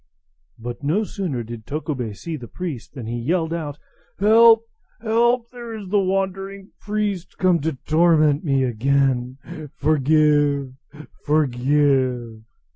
But no sooner did Tokubei see the priest than he yelled out, "Help! help! Here is the wandering priest come to torment me again. Forgive! forgive!"